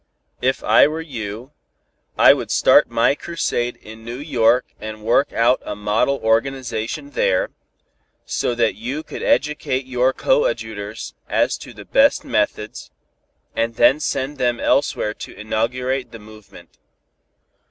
"If I were you, I would start my crusade in New York and work out a model organization there, so that you could educate your coadjutors as to the best methods, and then send them elsewhere to inaugurate the movement.